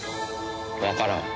わからん。